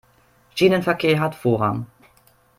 Schienenverkehr hat Vorrang.